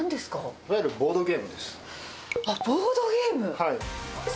いわゆるボードゲームです。